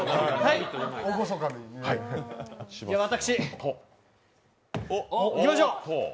私、いきましょう。